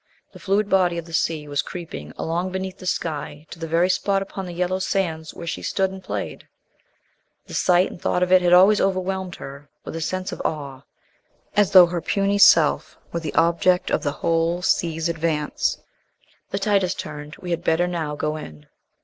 The fluid body of the sea was creeping along beneath the sky to the very spot upon the yellow sands where she stood and played. The sight and thought of it had always overwhelmed her with a sense of awe as though her puny self were the object of the whole sea's advance. "The tide has turned; we had better now go in."